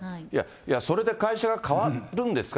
いや、それで会社が変わるんですか。